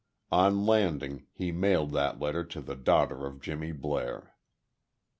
On landing, he mailed that letter to the daughter of Jimmy Blair.